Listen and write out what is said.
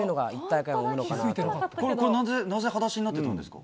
これ、なぜはだしになってたんですか？